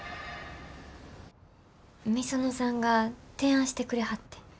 御園さんが提案してくれはってん。